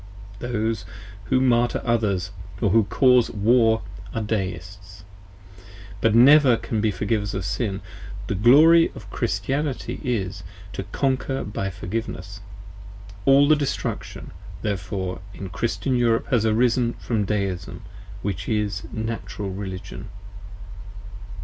Those who Martyr others or who cause War are Deists, but never can be Forgivers of Sin. The Glory of Christianity is, To Conquer by Forgiveness. All the Destruction, therefore, in Christian Europe has arisen from Deism, 54 which is Natural Religion.